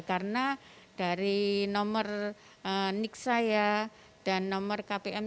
karena dari nomor nik saya dan nomor kpm